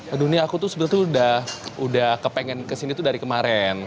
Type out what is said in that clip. ke dunia aku tuh sebetulnya udah kepengen kesini tuh dari kemarin